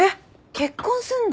結婚すんだ！